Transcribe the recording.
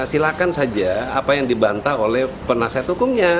silakan saja apa yang dibantah oleh penasihat hukumnya